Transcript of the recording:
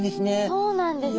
そうなんですね。